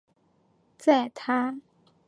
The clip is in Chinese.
在他年轻的时候已被阿积士青年队侦察。